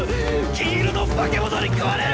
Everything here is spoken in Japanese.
金色の化け物に食われる！